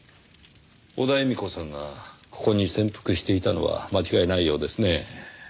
小田絵美子さんがここに潜伏していたのは間違いないようですね。